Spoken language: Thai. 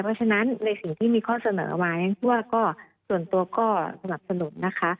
เพราะฉะนั้นในสิ่งที่มีข้อเสนอไหมว่าก็ส่วนตัวก็สนับสนุนนะคะ